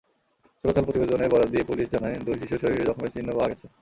সুরতহাল প্রতিবেদনের বরাত দিয়ে পুলিশ জানায়, দুই শিশুর শরীরে জখমের চিহ্ন পাওয়া গেছে।